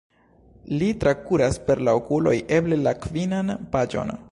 Li trakuras per la okuloj eble la kvinan paĝon.